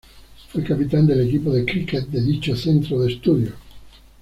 Fue capitán del equipo de críquet de dicho centro de estudios.